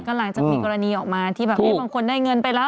หลังจากมีกรณีออกมาที่แบบบางคนได้เงินไปแล้ว